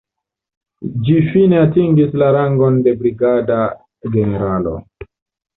Ĝi fine atingis la rangon de brigada generalo.